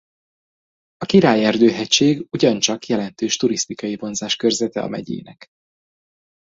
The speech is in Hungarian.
A Király-erdő hegység ugyancsak jelentős turisztikai vonzáskörzete a megyének.